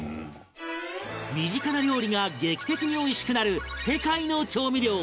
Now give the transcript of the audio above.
身近な料理が劇的においしくなる世界の調味料